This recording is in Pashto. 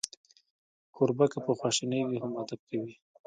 کوربه که په خواشینۍ وي، هم ادب کوي.